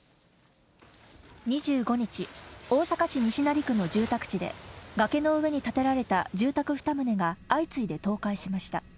２５日、大阪市西成区の住宅地で、崖の上に建てられた住宅２棟が相次いで倒壊しました。